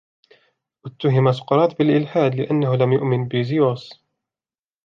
اتُهم سقراط بالإلحاد لأنه لم يؤمن بزيوس.